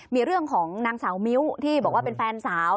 มีเรื่องของนางสาวมิ้วที่บอกว่าเป็นแฟนสาว